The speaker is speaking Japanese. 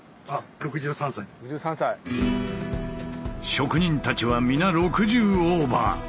職人たちは皆６０オーバー。